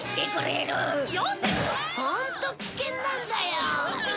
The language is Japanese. ホント危険なんだよ